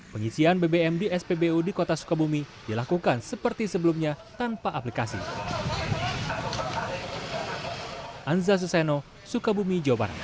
pengisian bbm di spbu di kota sukabumi dilakukan seperti sebelumnya tanpa aplikasi